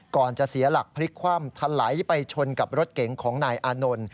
ก่อนจะเสียหลักพลิกคว่ำทะไหลไปชนกับรถเก๋งของนายอานนท์